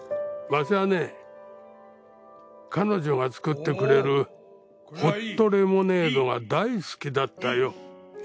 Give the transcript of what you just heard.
わしはね彼女が作ってくれるホットレモネードが大好きだったよ。